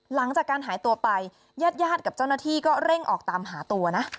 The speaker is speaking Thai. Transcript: หลังจากการหายตัวไปญาติญาติกับเจ้าหน้าที่ก็เร่งออกตามหาตัวนะ